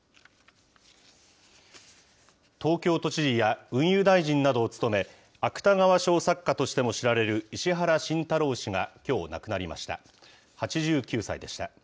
東京都知事や運輸大臣などを務め、芥川賞作家としても知られる石原慎太郎氏がきょう、亡くなりました。